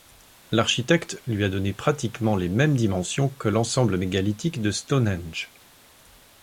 L'architecte lui a donné pratiquement les mêmes dimensions que l'ensemble mégalithique de Stonehenge.